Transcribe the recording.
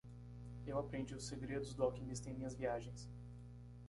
Eu aprendi os segredos do alquimista em minhas viagens.